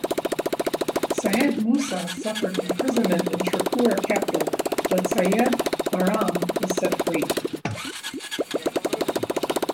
Syed Musa suffered imprisonment in Tripura capital but Syed Bairam was set free.